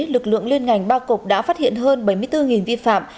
lực lượng liên ngành ba cục đã phát hiện hơn bảy mươi bốn vi phạm